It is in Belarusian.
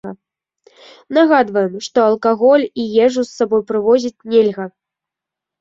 Нагадваем, што алкаголь і ежу з сабой прывозіць нельга.